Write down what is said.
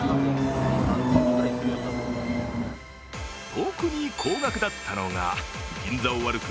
特に高額だったのが銀座を歩く